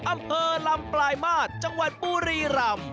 อำเภอลำปลายมาตรจังหวัดบุรีรำ